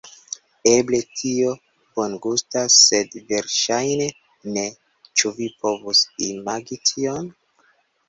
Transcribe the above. Eble, tio bongustas sed verŝajne ne... ĉu vi povus imagi tion?